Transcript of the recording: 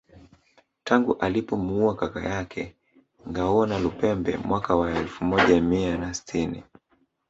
Tangu alipomuua kaka yake Ngawonalupembe mwaka wa elfu moja mia na sitini